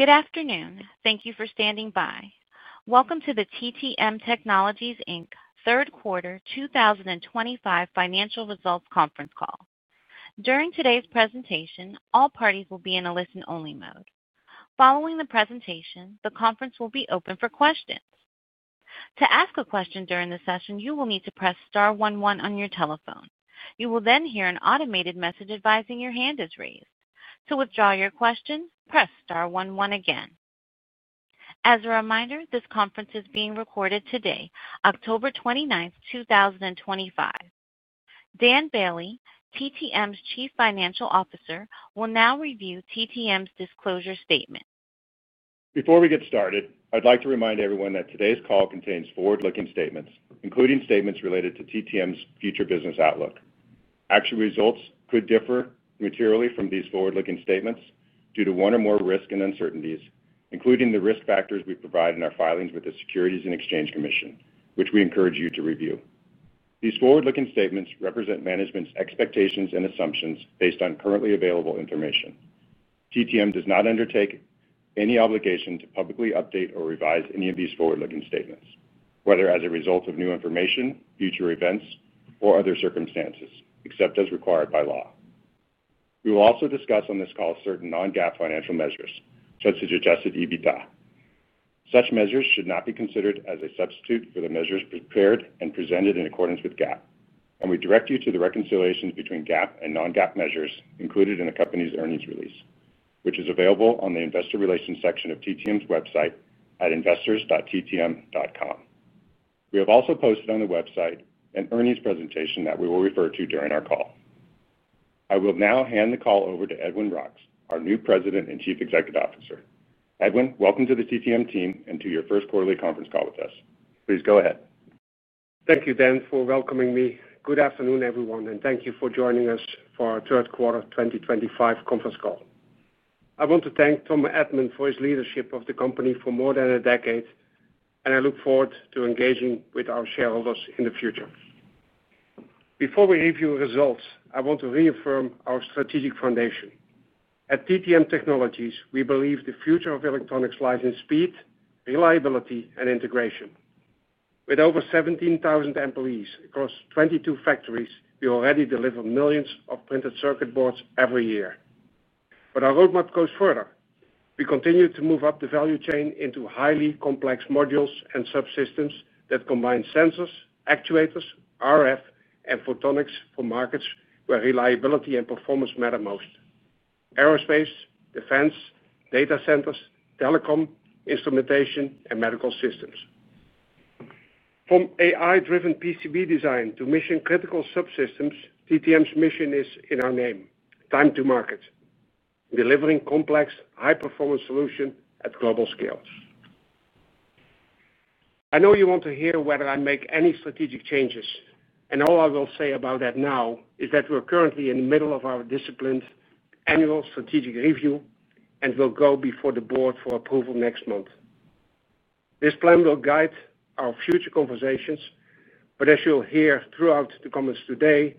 Good afternoon. Thank you for standing by. Welcome to the TTM Technologies, Inc. Third Quarter 2025 financial results conference call. During today's presentation, all parties will be in a listen-only mode. Following the presentation, the conference will be open for questions. To ask a question during the session, you will need to press star one one on your telephone. You will then hear an automated message advising your hand is raised. To withdraw your question, press star one one again. As a reminder, this conference is being recorded today, October 29, 2025. Dan Boehle, TTM's Chief Financial Officer, will now review TTM's disclosure statement. Before we get started, I'd like to remind everyone that today's call contains forward-looking statements, including statements related to TTM's future business outlook. Actual results could differ materially from these forward-looking statements due to one or more risks and uncertainties, including the risk factors we provide in our filings with the Securities and Exchange Commission, which we encourage you to review. These forward-looking statements represent management's expectations and assumptions based on currently available information. TTM does not undertake any obligation to publicly update or revise any of these forward-looking statements, whether as a result of new information, future events, or other circumstances, except as required by law. We will also discuss on this call certain non-GAAP financial measures, such as adjusted EBITDA. Such measures should not be considered as a substitute for the measures prepared and presented in accordance with GAAP, and we direct you to the reconciliations between GAAP and non-GAAP measures included in the company's earnings release, which is available on the Investor Relations section of TTM's website at investors.ttm.com. We have also posted on the website an earnings presentation that we will refer to during our call. I will now hand the call over to Edwin Roks, our new President and Chief Executive Officer. Edwin, welcome to the TTM team and to your first quarterly conference call with us. Please go ahead. Thank you, Dan, for welcoming me. Good afternoon, everyone, and thank you for joining us for our third quarter 2025 conference call. I want to thank Tom Edman for his leadership of the company for more than a decade, and I look forward to engaging with our shareholders in the future. Before we review results, I want to reaffirm our strategic foundation. At TTM Technologies, we believe the future of electronics lies in speed, reliability, and integration. With over 17,000 employees across 22 factories, we already deliver millions of printed circuit boards every year. Our roadmap goes further. We continue to move up the value chain into highly complex modules and subsystems that combine sensors, actuators, RF components, and photonics for markets where reliability and performance matter most: aerospace, defense, data centers, telecom, instrumentation, and medical systems. From AI-driven PCB design to Mission-Critical Subsystems, TTM's mission is in our name: time to market, delivering complex, high-performance solutions at global scales. I know you want to hear whether I make any strategic changes, and all I will say about that now is that we're currently in the middle of our disciplined annual strategic review and will go before the board for approval next month. This plan will guide our future conversations, but as you'll hear throughout the comments today,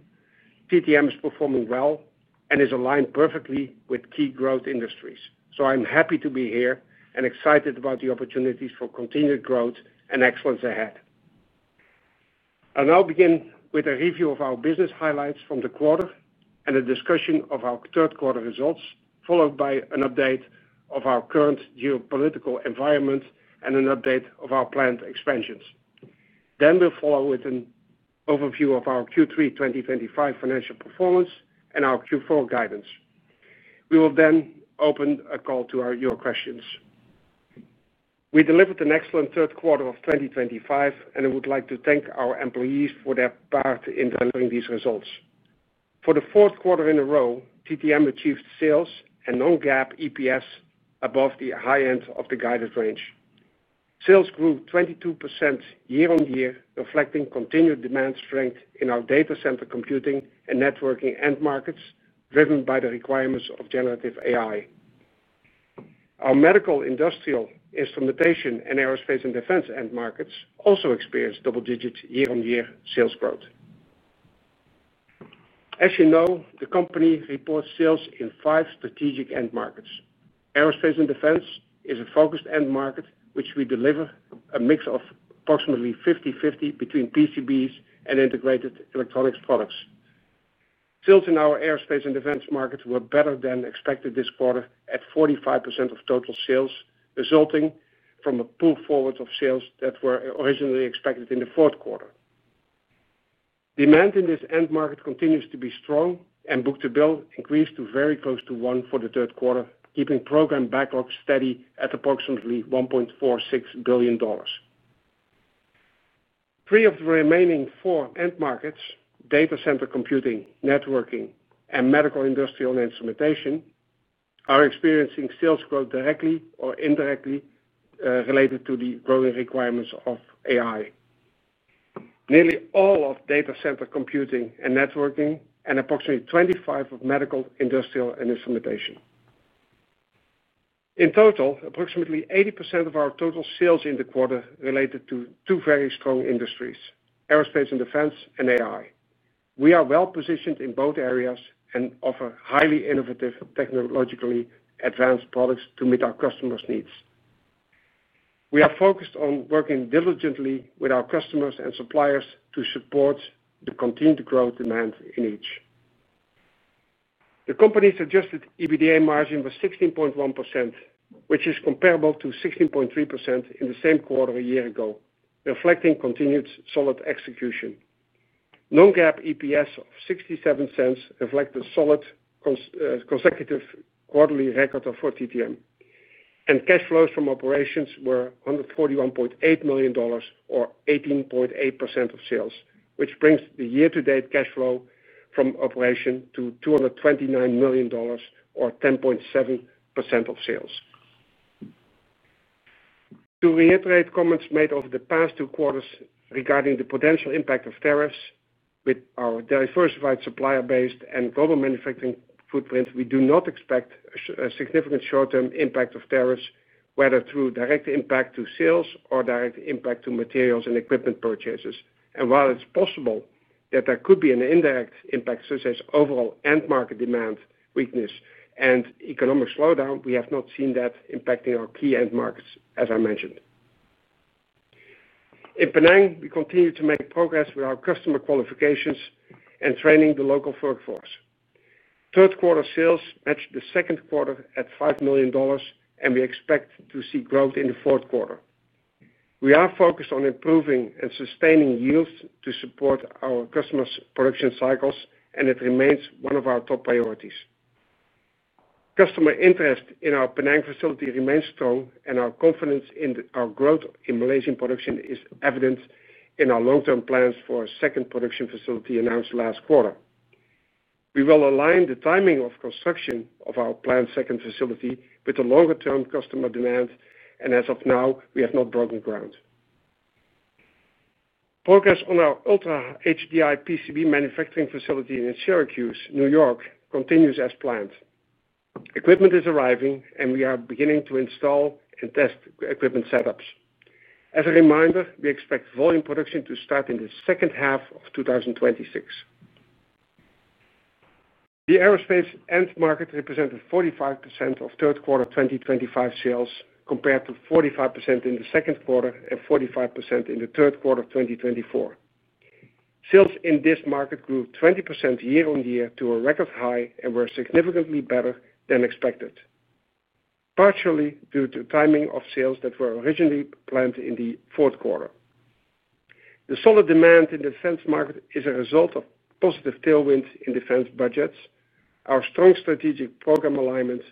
TTM is performing well and is aligned perfectly with key growth industries. I'm happy to be here and excited about the opportunities for continued growth and excellence ahead. I'll now begin with a review of our business highlights from the quarter and a discussion of our third quarter results, followed by an update of our current geopolitical environment and an update of our planned expansions. We will follow with an overview of our Q3 2025 financial performance and our Q4 guidance. We will then open a call to your questions. We delivered an excellent third quarter of 2025, and I would like to thank our employees for their part in delivering these results. For the fourth quarter in a row, TTM achieved sales and non-GAAP EPS above the high end of the guided range. Sales grew 22% year-on-year, reflecting continued demand strength in our data center computing and networking end markets, driven by the requirements of Generative AI. Our Medical/Industrial/Instrumentation, and Aerospace & Defense end markets also experienced double-digit year-on-year sales growth. As you know, the company reports sales in five strategic end markets. Aerospace & Defense is a focused end market, which we deliver a mix of approximately 50/50 between PCBs and integrated electronics products. Sales in our Aerospace & Defense markets were better than expected this quarter at 45% of total sales, resulting from a pull forward of sales that were originally expected in the fourth quarter. Demand in this end market continues to be strong, and book-to-bill increased to very close to one for the third quarter, keeping program backlogs steady at approximately $1.46 billion. Three of the remaining four end markets, Data Center Computing, Networking, and Medical/Industrial/Instrumentation, are experiencing sales growth directly or indirectly related to the growing requirements of AI. Nearly all of data center computing and networking, and approximately 25% of Medical/Industrial/Instrumentation. In total, approximately 80% of our total sales in the quarter related to two very strong industries: Aerospace and Defense, and AI. We are well positioned in both areas and offer highly innovative, technologically advanced products to meet our customers' needs. We are focused on working diligently with our customers and suppliers to support the continued growth demand in each. The company's adjusted EBITDA margin was 16.1%, which is comparable to 16.3% in the same quarter a year ago, reflecting continued solid execution. Non-GAAP EPS of $0.67 reflect a solid consecutive quarterly record for TTM. Cash flows from operations were $141.8 million, or 18.8% of sales, which brings the year-to-date cash flow from operations to $229 million, or 10.7% of sales. To reiterate comments made over the past two quarters regarding the potential impact of tariffs, with our diversified supplier base and global manufacturing footprint, we do not expect a significant short-term impact of tariffs, whether through direct impact to sales or direct impact to materials and equipment purchases. While it's possible that there could be an indirect impact, such as overall end market demand weakness and economic slowdown, we have not seen that impacting our key end markets, as I mentioned. In Penang, we continue to make progress with our customer qualifications and training the local workforce. Third quarter sales matched the second quarter at $5 million, and we expect to see growth in the fourth quarter. We are focused on improving and sustaining yields to support our customers' production cycles, and it remains one of our top priorities. Customer interest in our Penang facility remains strong, and our confidence in our growth in Malaysian production is evident in our long-term plans for a second production facility announced last quarter. We will align the timing of construction of our planned second facility with the longer-term customer demand, and as of now, we have not broken ground. Progress on our ultra-HDI PCB manufacturing facility in Syracuse, New York, continues as planned. Equipment is arriving, and we are beginning to install and test equipment setups. As a reminder, we expect volume production to start in the second half of 2026. The aerospace end market represented 45% of third quarter 2025 sales, compared to 45% in the second quarter and 45% in the third quarter of 2024. Sales in this market grew 20% year-on-year to a record high and were significantly better than expected, partially due to the timing of sales that were originally planned in the fourth quarter. The solid demand in the defense market is a result of positive tailwinds in defense budgets, our strong strategic program alignment,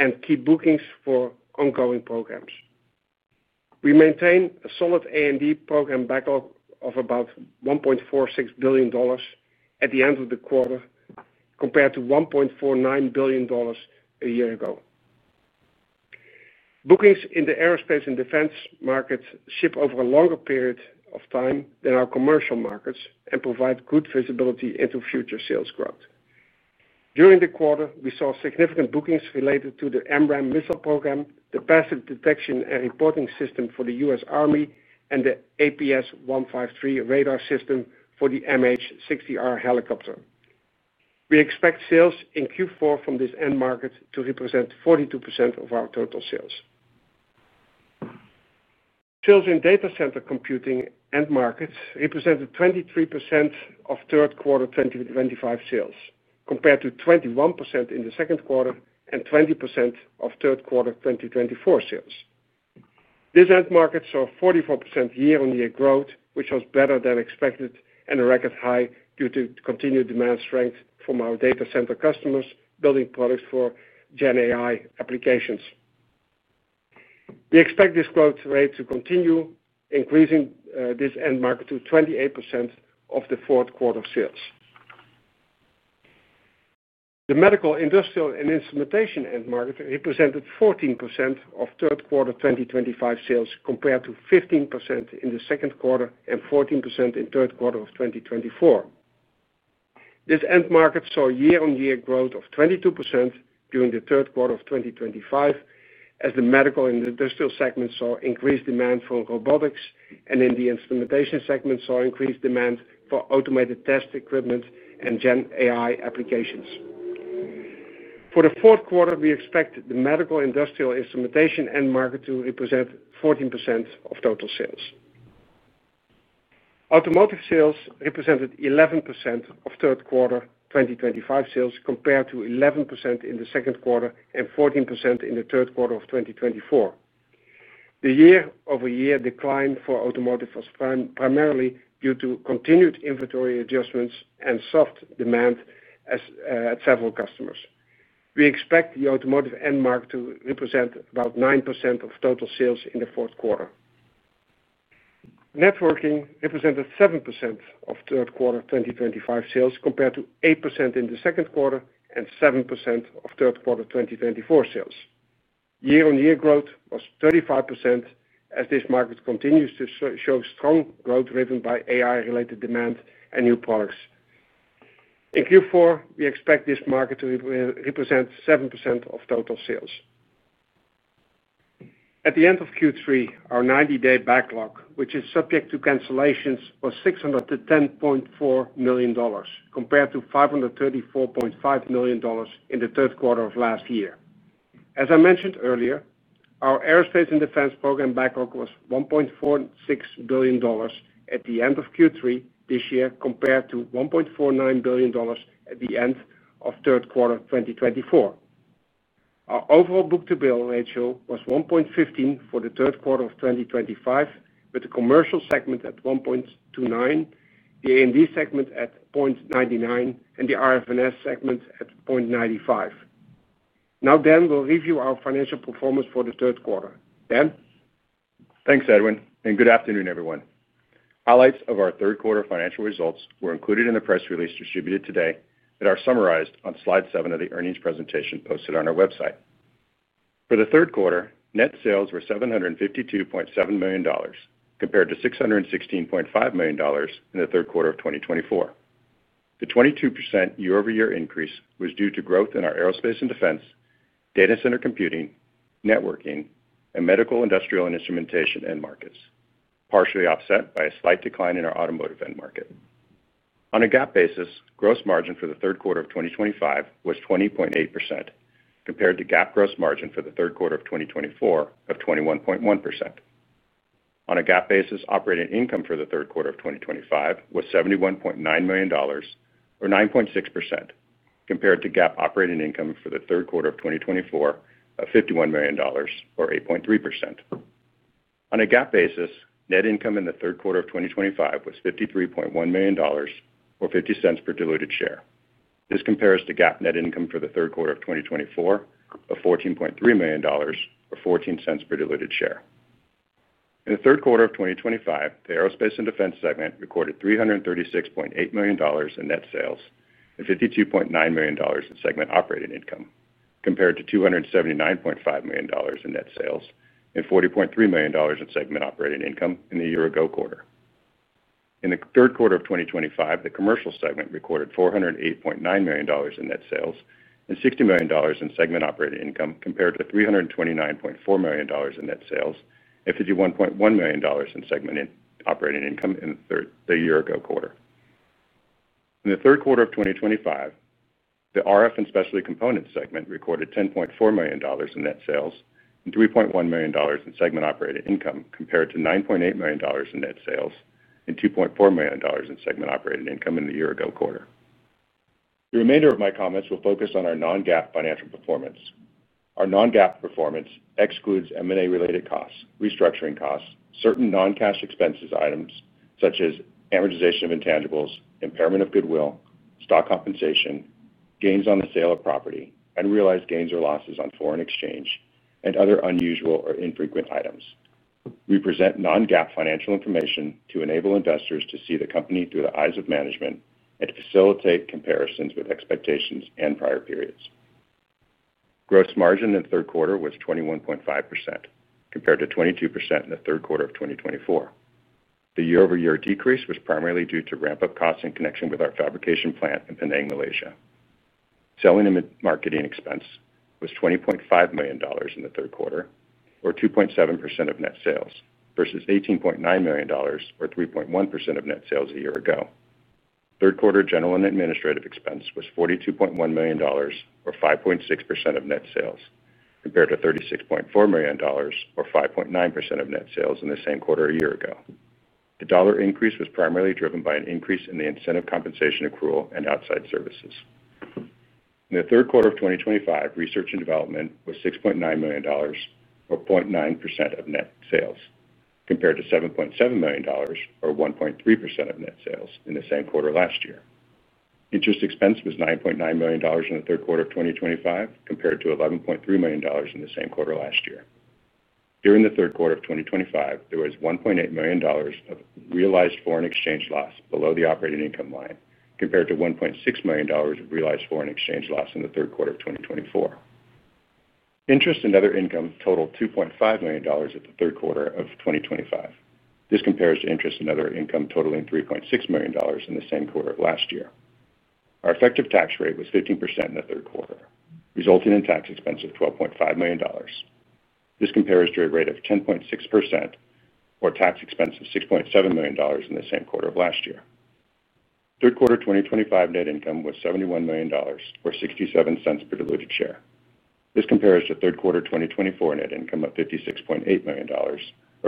and key bookings for ongoing programs. We maintain a solid A&D program backlog of about $1.46 billion at the end of the quarter, compared to $1.49 billion a year ago. Bookings in the Aerospace & Defense markets ship over a longer period of time than our commercial markets and provide good visibility into future sales growth. During the quarter, we saw significant bookings related to the AMRAAM missile program, the passive detection and reporting system for the U.S. Army, and the APS-153 radar system for the MH-60R helicopter. We expect sales in Q4 from this end market to represent 42% of our total sales. Sales in data center computing end markets represented 23% of third quarter 2025 sales, compared to 21% in the second quarter and 20% of third quarter 2024 sales. This end market saw 44% year-on-year growth, which was better than expected and a record high due to continued demand strength from our data center customers building products for GenAI applications. We expect this growth rate to continue, increasing this end market to 28% of the fourth quarter of sales. The Medical/Industrial/Instrumentation end market represented 14% of third quarter 2025 sales, compared to 15% in the second quarter and 14% in third quarter of 2024. This end market saw year-on-year growth of 22% during the third quarter of 2025, as the Medical and Industrial segments saw increased demand for Robotics, and in the instrumentation segment saw increased demand for automated test equipment and GenAI applications. For the fourth quarter, we expect the Medical/Industrial/Instrumentation end market to represent 14% of total sales. Automotive sales represented 11% of third quarter 2025 sales, compared to 11% in the second quarter and 14% in the third quarter of 2024. The year-over-year decline for Automotive was primarily due to continued inventory adjustments and soft demand at several customers. We expect the automotive end market to represent about 9% of total sales in the fourth quarter. Networking represented 7% of third quarter 2025 sales, compared to 8% in the second quarter and 7% of third quarter 2024 sales. Year-on-year growth was 35%, as this market continues to show strong growth driven by AI-related demand and new products. In Q4, we expect this market to represent 7% of total sales. At the end of Q3, our 90-day backlog, which is subject to cancellations, was $610.4 million, compared to $534.5 million in the third quarter of last year. As I mentioned earlier, our Aerospace & Defense program backlog was $1.46 billion at the end of Q3 this year, compared to $1.49 billion at the end of third quarter 2024. Our overall book-to-bill ratio was 1.15 for the third quarter of 2025, with the commercial segment at 1.29, the A&D segment at 0.99, and the RFNS segment at 0.95. Now, Dan, we'll review our financial performance for the third quarter. Dan? Thanks, Edwin, and good afternoon, everyone. Highlights of our third quarter financial results were included in the press release distributed today and are summarized on slide seven of the earnings presentation posted on our website. For the third quarter, net sales were $752.7 million, compared to $616.5 million in the third quarter of 2024. The 22% year-over-year increase was due to growth in our aerospace and defense, Data Center Computing, Networking, and Medical/Industrial/Instrumentation end markets, partially offset by a slight decline in our Automotive end market. On a GAAP basis, gross margin for the third quarter of 2025 was 20.8%, compared to GAAP gross margin for the third quarter of 2024 of 21.1%. On a GAAP basis, operating income for the third quarter of 2025 was $71.9 million, or 9.6%, compared to GAAP operating income for the third quarter of 2024 of $51 million, or 8.3%. On a GAAP basis, net income in the third quarter of 2025 was $53.1 million, or $0.50/diluted share. This compares to GAAP net income for the third quarter of 2024 of $14.3 million, or $0.14/diluted share. In the third quarter of 2025, the aerospace and defense segment recorded $336.8 million in net sales and $52.9 million in segment operating income, compared to $279.5 million in net sales and $40.3 million in segment operating income in the year-ago quarter. In the third quarter of 2025, the commercial segment recorded $408.9 million in net sales and $60 million in segment operating income, compared to $329.4 million in net sales and $51.1 million in segment operating income in the year-ago quarter. In the third quarter of 2025, the RF and specialty components segment recorded $10.4 million in net sales and $3.1 million in segment operating income, compared to $9.8 million in net sales and $2.4 million in segment operating income in the year-ago quarter. The remainder of my comments will focus on our non-GAAP financial performance. Our non-GAAP performance excludes M&A-related costs, restructuring costs, certain non-cash expense items, such as amortization of intangibles, impairment of goodwill, stock compensation, gains on the sale of property, unrealized gains or losses on foreign exchange, and other unusual or infrequent items. We present non-GAAP financial information to enable investors to see the company through the eyes of management and facilitate comparisons with expectations and prior periods. Gross margin in the third quarter was 21.5%, compared to 22% in the third quarter of 2024. The year-over-year decrease was primarily due to ramp-up costs in connection with our fabrication plant in Penang, Malaysia. Selling and marketing expense was $20.5 million in the third quarter, or 2.7% of net sales, versus $18.9 million, or 3.1% of net sales a year ago. Third quarter general and administrative expense was $42.1 million, or 5.6% of net sales, compared to $36.4 million, or 5.9% of net sales in the same quarter a year ago. The dollar increase was primarily driven by an increase in the incentive compensation accrual and outside services. In the third quarter of 2025, Research and Development was $6.9 million, or 0.9% of net sales, compared to $7.7 million, or 1.3% of net sales in the same quarter last year. Interest expense was $9.9 million in the third quarter of 2025, compared to $11.3 million in the same quarter last year. During the third quarter of 2025, there was $1.8 million of realized foreign exchange loss below the operating income line, compared to $1.6 million of realized foreign exchange loss in the third quarter of 2024. Interest and other income totaled $2.5 million at the third quarter of 2025. This compares to interest and other income totaling $3.6 million in the same quarter of last year. Our effective tax rate was 15% in the third quarter, resulting in a tax expense of $12.5 million. This compares to a rate of 10.6% or a tax expense of $6.7 million in the same quarter of last year. Third quarter 2025 net income was $71 million, or $0.67/diluted share. This compares to third quarter 2024 net income of $56.8 million, or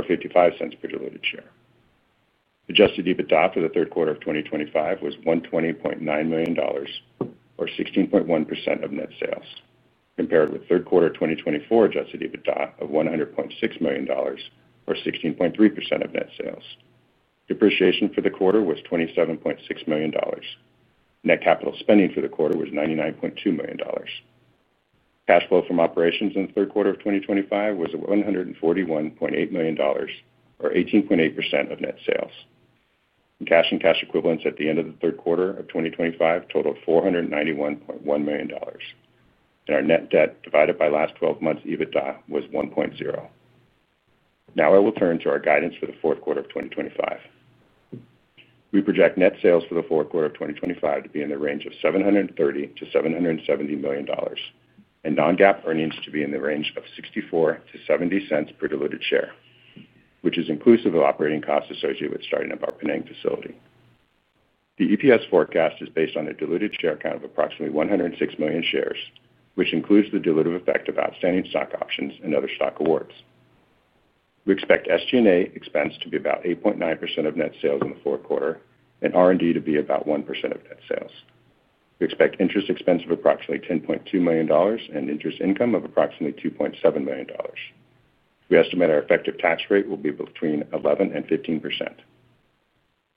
$0.55/diluted share. Adjusted EBITDA for the third quarter of 2025 was $120.9 million, or 16.1% of net sales, compared with third quarter 2024 adjusted EBITDA of $100.6 million, or 16.3% of net sales. Depreciation for the quarter was $27.6 million. Net capital spending for the quarter was $99.2 million. Cash flow from operations in the third quarter of 2025 was $141.8 million, or 18.8% of net sales. Cash and cash equivalents at the end of the third quarter of 2025 totaled $491.1 million, and our net debt divided by last 12 months' EBITDA was 1.0. Now I will turn to our guidance for the fourth quarter of 2025. We project net sales for the fourth quarter of 2025 to be in the range of $730 million-$770 million, and non-GAAP earnings to be in the range of $0.64-$0.70/diluted share, which is inclusive of operating costs associated with starting up our Penang facility. The EPS forecast is based on a diluted share count of approximately 106 million shares, which includes the dilutive effect of outstanding stock options and other stock awards. We expect SG&A expense to be about 8.9% of net sales in the fourth quarter and R&D to be about 1% of net sales. We expect interest expense of approximately $10.2 million and interest income of approximately $2.7 million. We estimate our effective tax rate will be between 11% and 15%.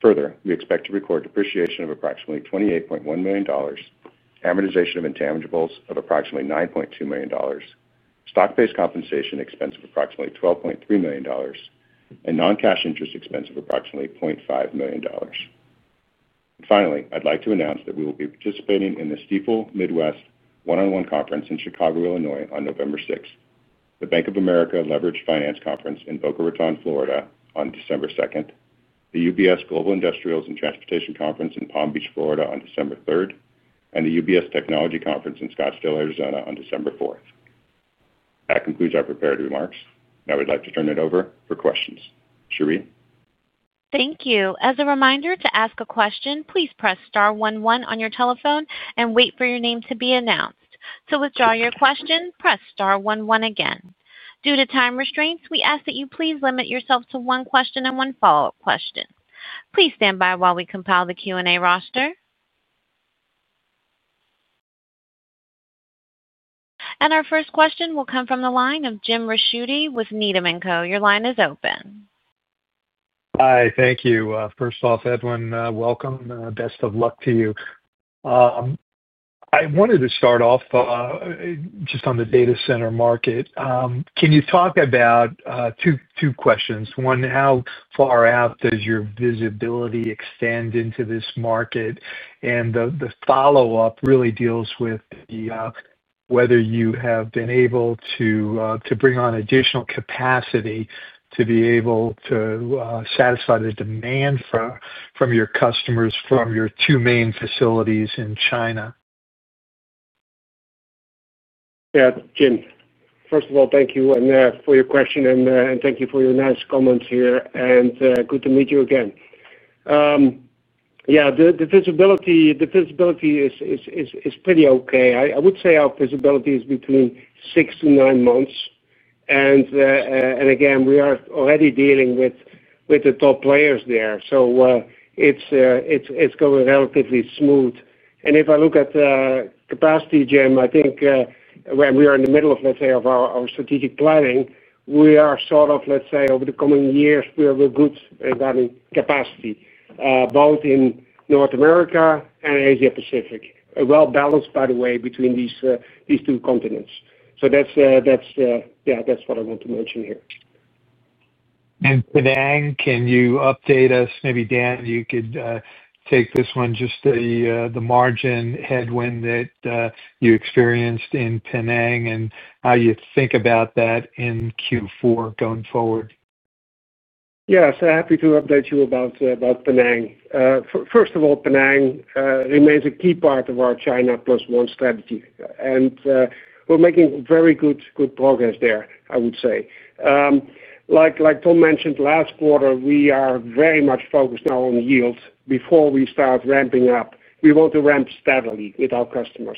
Further, we expect to record depreciation of approximately $28.1 million, amortization of intangibles of approximately $9.2 million, stock-based compensation expense of approximately $12.3 million, and non-cash interest expense of approximately $0.5 million. Finally, I'd like to announce that we will be participating in the Stifel Midwest One-on-One conference in Chicago, Illinois, on November 6, the Bank of America Leveraged Finance Conference in Boca Raton, Florida, on December 2, the UBS Global Industrials and Transportation Conference in Palm Beach, Florida, on December 3, and the UBS Technology Conference in Scottsdale, Arizona, on December 4. That concludes our prepared remarks. Now I'd like to turn it over for questions. Cherie? Thank you. As a reminder, to ask a question, please press star one one on your telephone and wait for your name to be announced. To withdraw your question, press star one one again. Due to time restraints, we ask that you please limit yourself to one question and one follow-up question. Please stand by while we compile the Q&A roster. Our first question will come from the line of Jim Ricchiuti with Needham & Co. Your line is open. Hi, thank you. First off, Edwin, welcome. Best of luck to you. I wanted to start off just on the data center market. Can you talk about two questions? One, how far out does your visibility extend into this market? The follow-up really deals with whether you have been able to bring on additional capacity to be able to satisfy the demand from your customers from your two main facilities in China. Yeah, Jim. First of all, thank you for your question and thank you for your nice comments here. Good to meet you again. Yeah, the visibility is pretty okay. I would say our visibility is between 6-9 months. We are already dealing with the top players there, so it's going relatively smooth. If I look at the capacity, Jim, I think when we are in the middle of, let's say, our strategic planning, we are sort of, let's say, over the coming years, we're good regarding capacity, both in North America and Asia Pacific. Well balanced, by the way, between these two continents. That's what I want to mention here. Dan, can you update us? Maybe Dan, you could take this one, just the margin headwind that you experienced in Penang and how you think about that in Q4 going forward. Yeah, happy to update you about Penang. First of all, Penang remains a key part of our China +1 strategy, and we're making very good progress there, I would say. Like Tom mentioned last quarter, we are very much focused on our own yields. Before we start ramping up, we want to ramp steadily with our customers.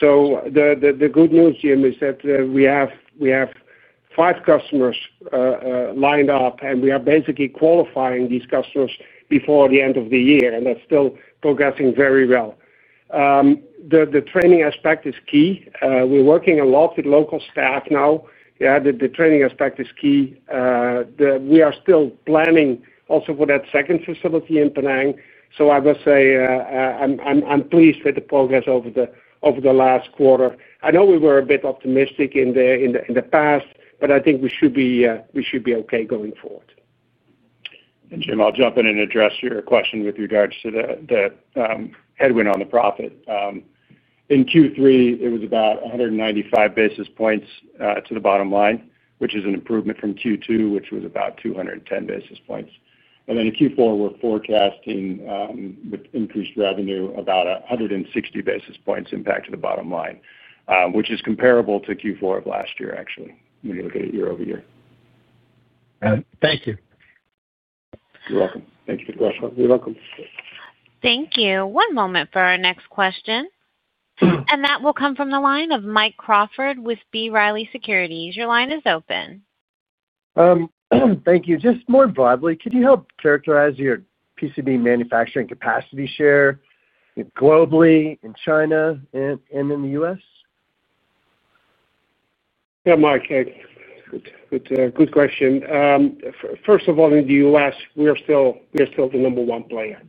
The good news, Jim, is that we have five customers lined up, and we are basically qualifying these customers before the end of the year, and that's still progressing very well. The training aspect is key. We're working a lot with local staff now. The training aspect is key. We are still planning also for that second facility in Penang. I must say I'm pleased with the progress over the last quarter. I know we were a bit optimistic in the past, but I think we should be okay going forward. Jim, I'll jump in and address your question with regards to the headwind on the profit. In Q3, it was about 195 basis points to the bottom line, which is an improvement from Q2, which was about 210 basis points. In Q4, we're forecasting with increased revenue about 160 basis points impact to the bottom line, which is comparable to Q4 of last year, actually, when you look at it year-over-year. Thank you. You're welcome. Thank you for the question. You're welcome. Thank you. One moment for our next question. That will come from the line of Mike Crawford with B. Riley Securities. Your line is open. Thank you. Just more broadly, could you help characterize your PCB manufacturing capacity share globally in China and in the U.S.? Yeah, Mike, good question. First of all, in the U.S., we are still the number one player.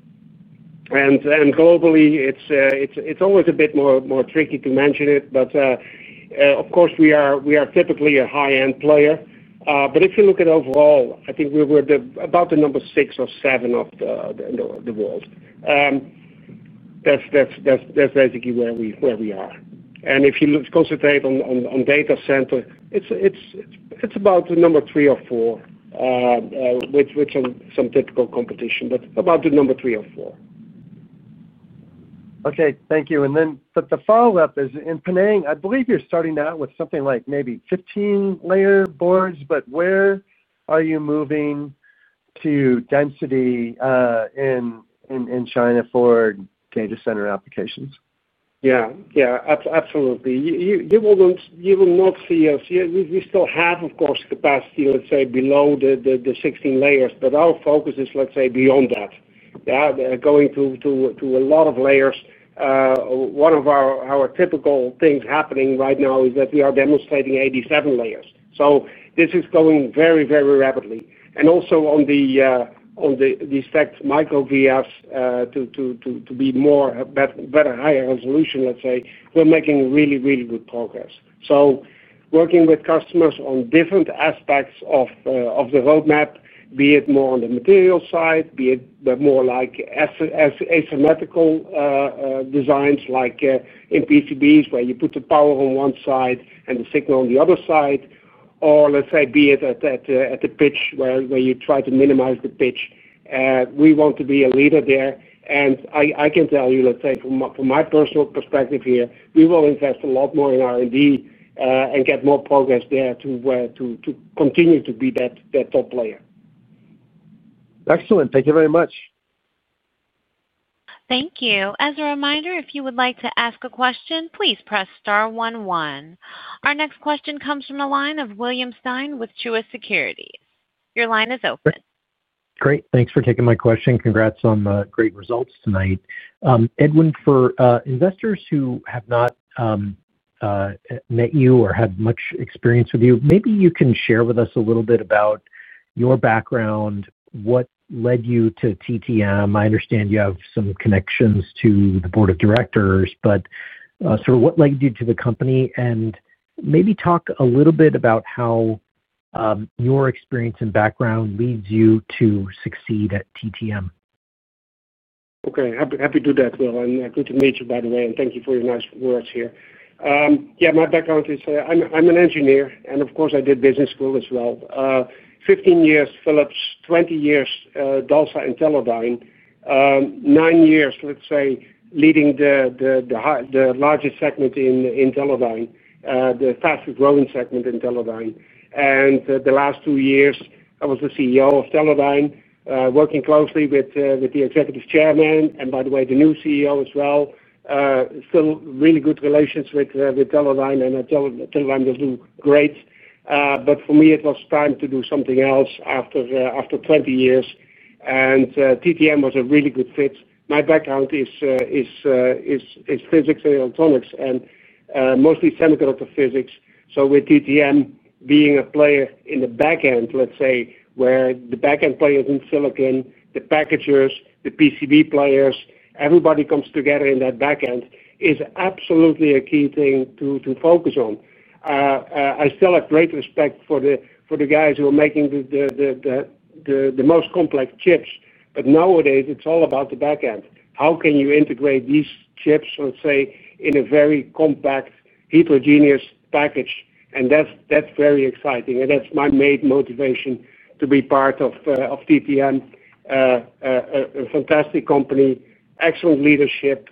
Globally, it's always a bit more tricky to mention it, but of course, we are typically a high-end player. If you look at overall, I think we're about the number six or seven of the world. That's basically where we are. If you concentrate on data center, it's about the number three or four with some typical competition, but about the number three or four. Okay. Thank you. The follow-up is in Penang, I believe you're starting out with something like maybe 15 layer boards, but where are you moving to density in China for data center applications? Yeah, absolutely. You will not see us. We still have, of course, capacity, let's say, below the 16 layers, but our focus is, let's say, beyond that. Yeah, going to a lot of layers. One of our typical things happening right now is that we are demonstrating 87 layers. This is going very, very rapidly. Also, on the effect micro-VFs to be better, higher resolution, let's say, we're making really, really good progress. Working with customers on different aspects of the roadmap, be it more on the material side, more like asymmetrical designs like in PCBs where you put the power on one side and the signal on the other side, or, let's say, be it at the pitch where you try to minimize the pitch. We want to be a leader there. I can tell you, let's say, from my personal perspective here, we will invest a lot more in R&D and get more progress there to continue to be that top player. Excellent. Thank you very much. Thank you. As a reminder, if you would like to ask a question, please press star one one. Our next question comes from the line of William Stein with Truist Securities. Your line is open. Great. Thanks for taking my question. Congrats on great results tonight. Edwin, for investors who have not met you or had much experience with you, maybe you can share with us a little bit about your background, what led you to TTM. I understand you have some connections to the board of directors, what led you to the company? Maybe talk a little bit about how your experience and background leads you to succeed at TTM. Okay. Happy to do that as well. Good to meet you, by the way, and thank you for your nice words here. Yeah, my background is I'm an engineer, and of course, I did business school as well. 15 years at Philips, 20 years at Dulce and Teledyne, nine years, let's say, leading the largest segment in Teledyne, the fastest growing segment in Teledyne. The last two years, I was the CEO of Teledyne, working closely with the Executive Chairman, and by the way, the new CEO as well. Still really good relations with Teledyne, and Teledyne will do great. For me, it was time to do something else after 20 years, and TTM was a really good fit. My background is physics and electronics and mostly semiconductor physics. With TTM being a player in the backend, let's say, where the backend players in silicon, the packagers, the PCB players, everybody comes together in that backend, is absolutely a key thing to focus on. I still have great respect for the guys who are making the most complex chips, but nowadays, it's all about the backend. How can you integrate these chips, let's say, in a very compact, heterogeneous package? That's very exciting, and that's my main motivation to be part of TTM. A fantastic company, excellent leadership,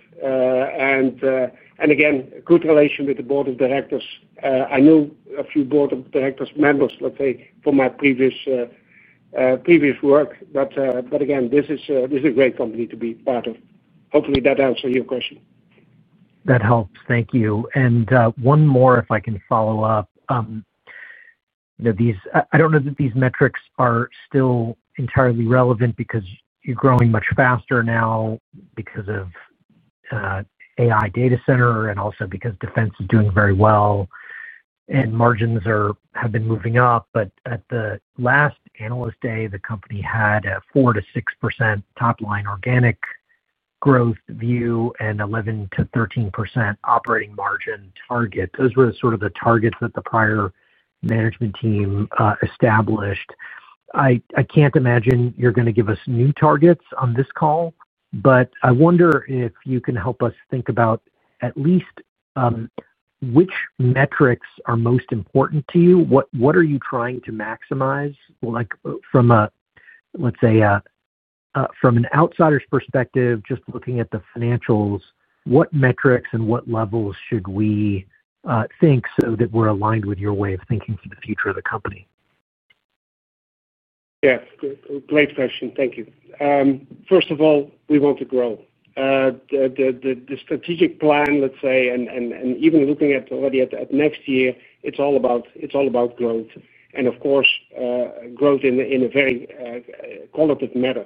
and again, good relation with the Board of Directors. I knew a few Board of Directors members, let's say, from my previous work, but again, this is a great company to be part of. Hopefully, that answered your question. That helps. Thank you. One more, if I can follow up. I don't know that these metrics are still entirely relevant because you're growing much faster now because of AI data center and also because defense is doing very well and margins have been moving up. At the last analyst day, the company had a 4%-6% top line organic growth view and 11%-13% operating margin target. Those were sort of the targets that the prior management team established. I can't imagine you're going to give us new targets on this call, but I wonder if you can help us think about at least which metrics are most important to you. What are you trying to maximize? Like from a, let's say, from an outsider's perspective, just looking at the financials, what metrics and what levels should we think so that we're aligned with your way of thinking for the future of the company? Yeah, great question. Thank you. First of all, we want to grow. The strategic plan, let's say, and even looking at already at next year, it's all about growth. Of course, growth in a very qualitative manner.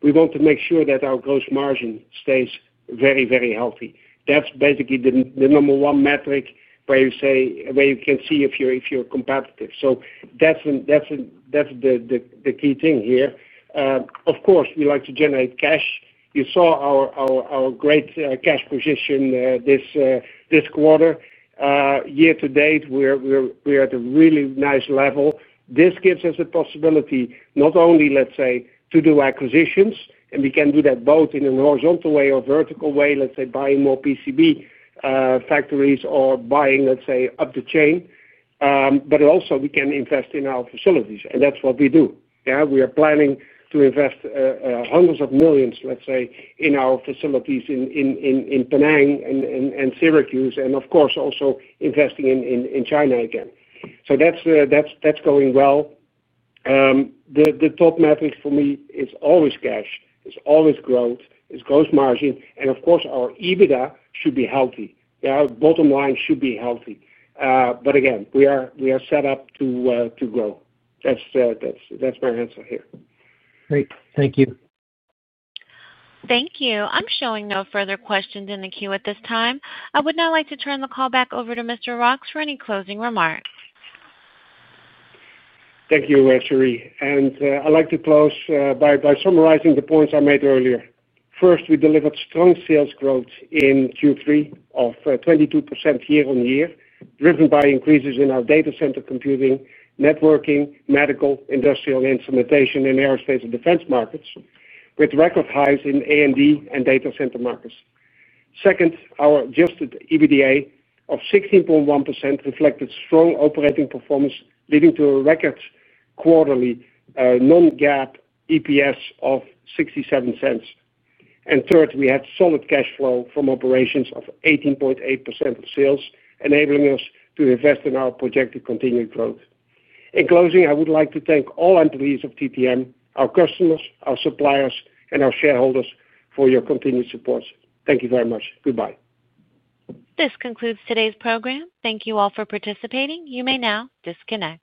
We want to make sure that our gross margin stays very, very healthy. That's basically the number one metric where you say where you can see if you're competitive. That's the key thing here. Of course, we like to generate cash. You saw our great cash position this quarter. Year to date, we're at a really nice level. This gives us the possibility not only, let's say, to do acquisitions, and we can do that both in a horizontal way or vertical way, let's say, buying more PCB factories or buying, let's say, up the chain, but also we can invest in our facilities, and that's what we do. We are planning to invest hundreds of millions, let's say, in our facilities in Penang and Syracuse, and of course, also investing in China again. That's going well. The top metric for me is always cash. It's always growth. It's gross margin. Of course, our EBITDA should be healthy. Bottom line should be healthy. Again, we are set up to grow. That's my answer here. Great. Thank you. Thank you. I'm showing no further questions in the queue at this time. I would now like to turn the call back over to Mr. Rox for any closing remarks. Thank you, Cherie. I'd like to close by summarizing the points I made earlier. First, we delivered strong sales growth in Q3 of 22% year-on-year, driven by increases in our Data Center Computing, Networking, Medical/Industrial/Instrumentation, and Aerospace & Defense markets, with record highs in A&D and data center markets. Second, our adjusted EBITDA of 16.1% reflected strong operating performance, leading to a record quarterly non-GAAP EPS of $0.67. Third, we had solid cash flow from operations of 18.8% of sales, enabling us to invest in our projected continued growth. In closing, I would like to thank all employees of TTM, our customers, our suppliers, and our shareholders for your continued support. Thank you very much. Goodbye. This concludes today's program. Thank you all for participating. You may now disconnect.